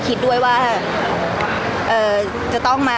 พี่ตอบได้แค่นี้จริงค่ะ